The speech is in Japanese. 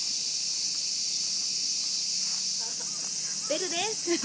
ベルです。